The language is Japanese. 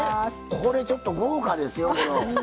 これちょっと豪華ですよ。